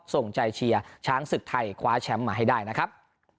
ส่งใจเชียร์ช้างศึกไทยคว้าแชมป์มาให้ได้นะครับ